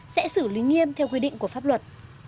sẽ xử lý nghiêm theo quy định của pháp luật